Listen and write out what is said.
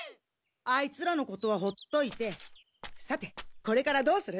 アイツらのことはほっといてさてこれからどうする？